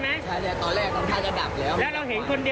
แล้วเสร็จแล้วตัดน้ำมาด